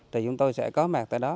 thì chúng tôi sẽ có mặt tại đó